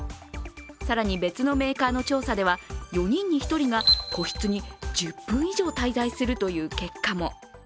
更に、別のメーカーの調査では４人に１人が個室に１０分以上滞在するという結果も。